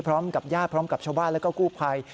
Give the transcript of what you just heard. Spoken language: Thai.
พร้อมกับญาติพร้อมกับชาวบ้านแล้วก็กู้ภัย